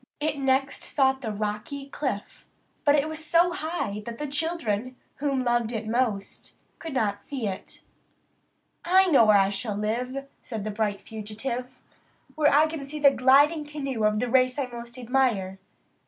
It next sought the rocky cliff; but there it was so high that the children, whom it loved most, could not see it. "I know where I shall live," said the bright fugitive "where I can see the gliding canoe of the race I most admire.